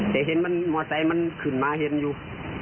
แต่เห็นมันมอไซค์มันขึ้นมาเห็นอยู่